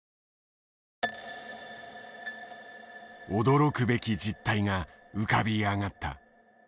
驚くべき実態が浮かび上がった。